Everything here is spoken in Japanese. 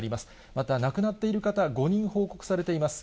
また亡くなっている方、５人報告されています。